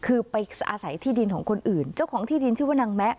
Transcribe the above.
คือไปอาศัยที่ดินของคนอื่นเจ้าของที่ดินชื่อว่านางแมะ